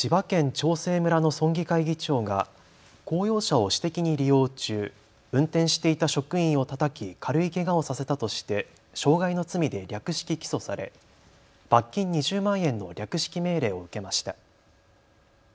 長生村の村議会議長が公用車を私的に利用中、運転していた職員をたたき軽いけがをさせたとして傷害の罪で略式起訴され罰金２０万円の略式命令を受けました。